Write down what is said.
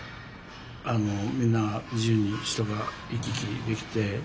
みんなが自由に人が行き来できて。